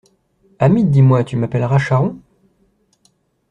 Hamid, dis-moi, tu m’appelleras Charron?